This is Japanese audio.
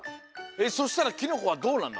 そしたらキノコはどうなんの？